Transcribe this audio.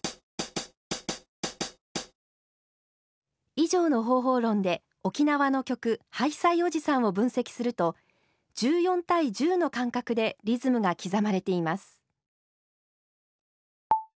以上の方法論で沖縄の曲「ハイサイおじさん」を分析すると１４対１０の間隔でリズムが刻まれています。